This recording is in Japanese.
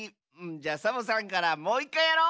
じゃあサボさんからもういっかいやろう！